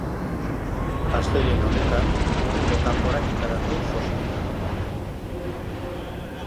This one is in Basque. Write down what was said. Astelehen honetan, hurrengo kanporaketarako zozketa.